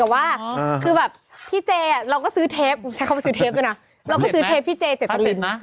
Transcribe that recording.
แล้วก็ซื้อเทปพี่เจเจ็ดตะลิน